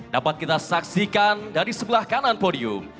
dapat kita saksikan dari sebelah kanan podium